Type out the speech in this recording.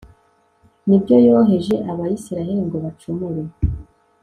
nibyo yoheje Abisirayeli ngo bacumure